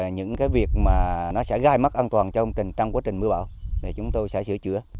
những việc gai mắt an toàn trong quá trình mưa bão chúng ta sẽ sửa chữa